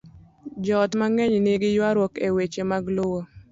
Joot mang'eny nigi ywaruok e weche mag lowo.